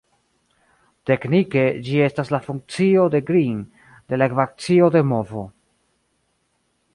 Teknike, ĝi estas la funkcio de Green de la ekvacio de movo.